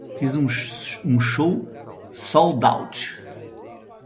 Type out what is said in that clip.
fiz um show soldout